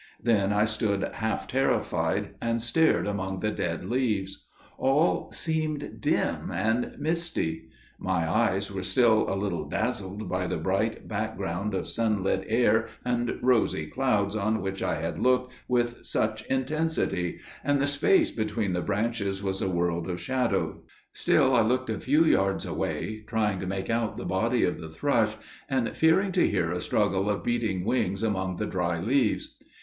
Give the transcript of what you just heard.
Then I stood half terrified, and stared among the dead leaves. All seemed dim and misty. My eyes were still a little dazzled by the bright background of sunlit air and rosy clouds on which I had looked with such intensity, and the space beneath the branches was a world of shadows. Still I looked a few yards away, trying to make out the body of the thrush, and fearing to hear a struggle of beating wings among the dry leaves.